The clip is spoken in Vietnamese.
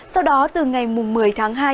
sau đó từ ngày một mươi tháng hai